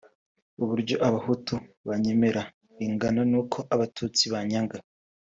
uburyo abahutu banyemera bingana nuko abatutsi banyanga